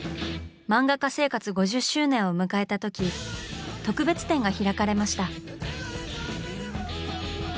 漫画家生活５０周年を迎えたとき特別展が開かれました。